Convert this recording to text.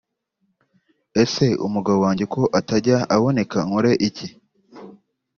Ese umugabo wanjye ko atajya aboneka nkore iki